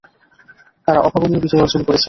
তারা অভাবনীয় বিজয় অর্জন করেছেন।